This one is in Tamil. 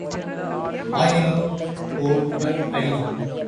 அயிலாலே போழ்ப அயில்.